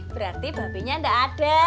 berarti babenya gak ada